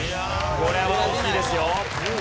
これは大きいですよ。